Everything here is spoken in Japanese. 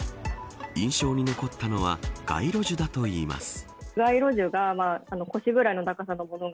印象に残ったのは街路樹だといいます。